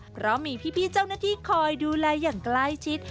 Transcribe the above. เพราะมีพี่เจ้าหน้าที่คอยดูแลอย่างใกล้ชิด